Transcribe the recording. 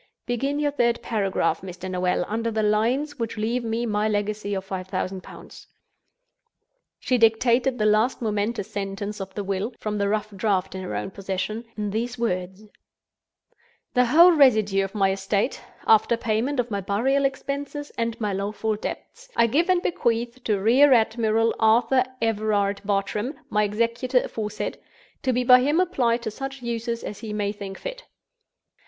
Begin your third paragraph, Mr. Noel, under the lines which leave me my legacy of five thousand pounds." She dictated the last momentous sentence of the will (from the rough draft in her own possession) in these words: "The whole residue of my estate, after payment of my burial expenses and my lawful debts, I give and bequeath to Rear Admiral Arthur Everard Bartram, my Executor aforesaid; to be by him applied to such uses as he may think fit.